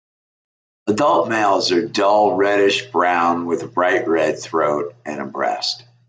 Adult males are dull reddish brown with a brighter red throat and breast.